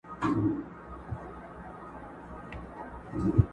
قافلې پر لويو لارو لوټېدلې٫